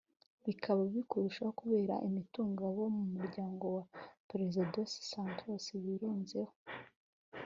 bikaba bibi kurushaho kubera imutungo abo mu muryango wa Perezida Dos Santos birunzeho